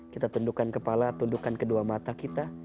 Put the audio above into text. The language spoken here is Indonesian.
kita tundukkan kepala tundukkan kedua mata kita